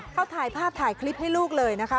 เขาถ่ายภาพถ่ายคลิปให้ลูกเลยนะคะ